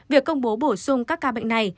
việc công bố bổ sung các ca bệnh này